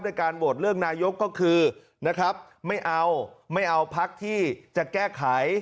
การโหวตเลือกนายกก็คือนะครับไม่เอาไม่เอาพักที่จะแก้ไข